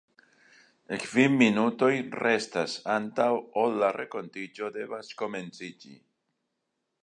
Kvin minutoj restas antaŭ ol la renkontiĝo devas komenciĝi.